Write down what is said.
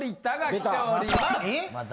出た。